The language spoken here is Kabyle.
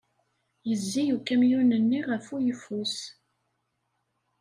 Yezzi ukamyun-nni ɣef uyeffus.